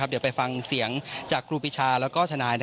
เดี๋ยวไปฟังเสียงจากครูปีชาแล้วก็ทนาย